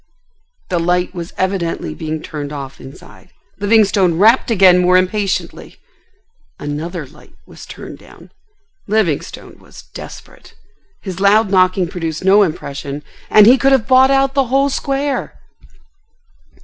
The light was evidently being turned off inside. Livingstone rapped again more impatiently. Another light was turned down. Livingstone was desperate. His loud knocking produced no impression, and he could have bought out the whole square!